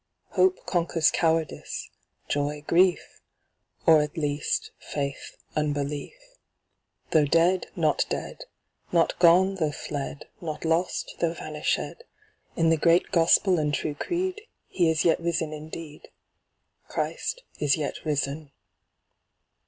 Hope conquers cowardice, joy grief : Or at least, faith unbelief. Though dead, not dead ; Not gone, though fled ; Not lost, though vanished. In the great gospel and true creed, He is yet risen indeed ; Christ is yet risen.